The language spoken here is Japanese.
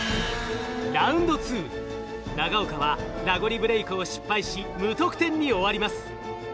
長岡はラゴリブレイクを失敗し無得点に終わります。